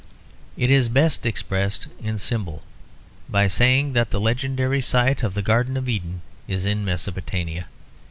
It is best expressed in symbol by saying that the legendary site of the Garden of Eden is in Mesopotamia.